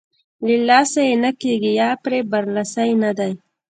له لاسه یې نه کېږي یا پرې برلاسۍ نه دی.